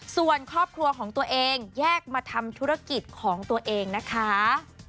ส่วนครอบครัวของตัวเองแยกมาทำธุรกิจของตัวเองนะคะ